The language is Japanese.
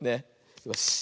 よし。